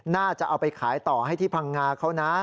น่าจะเอาไปขายต่อให้ที่พังงาเขานะ